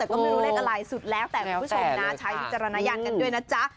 แต่ก็ไม่รู้เลขอะไรสุดแล้วแต่คุณผู้ชมนะใช้วิจารณญาณกันด้วยนะจ๊ะ